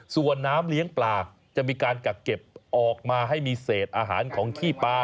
ส่วนน้ำเลี้ยงปลาจะมีการกักเก็บออกมาให้มีเศษอาหารของขี้ปลา